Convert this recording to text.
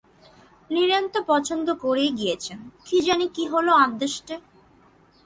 নীরেন তো পছন্দই করে গিয়েচেন-কি জানি কি হল আদেষ্টে!